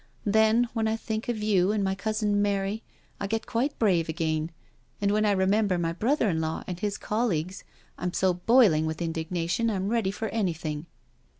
Then, when I think of you and my cousin Mary I get quite brave again, and when I remember my brother in law and his colleagues, I'm so boiling with indignation I'm ready for any thing."